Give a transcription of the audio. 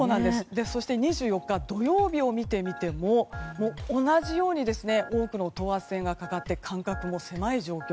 そして２４日土曜日を見てみても同じように多くの等圧線がかかって間隔も狭い状況。